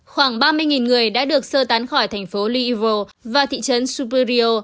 khoảng ba mươi người đã được sơ tán khỏi thành phố louisville và thị trấn superior